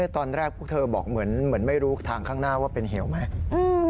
ตอนแรกพวกเธอบอกเหมือนไม่รู้ทางข้างหน้าว่าเป็นเหวไหม